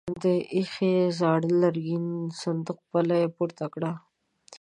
د ايښې زاړه لرګين صندوق پله يې پورته کړه.